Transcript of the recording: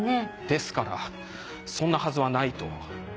ですからそんなはずはないと。